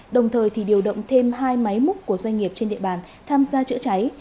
đồng thời thì điều động thêm hai máy múc của doanh nghiệp trên địa bàn tham gia chữa cháy